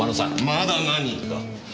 まだ何か？